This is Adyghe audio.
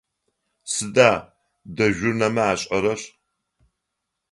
Сыда дежурнэмэ ашӏэрэр?